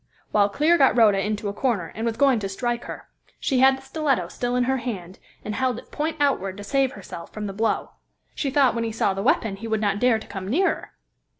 Well, Clear got Rhoda into a corner, and was going to strike her; she had the stiletto still in her hand, and held it point outward to save herself from the blow. She thought when he saw the weapon he would not dare to come nearer.